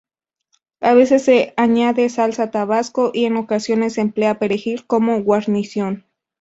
A veces se añade salsa Tabasco, y en ocasiones se emplea perejil como guarnición.